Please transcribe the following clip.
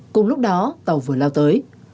cùng lúc đó tàu vừa lao tới